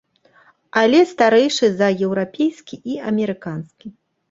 Але старэйшы за еўрапейскі і амерыканскі.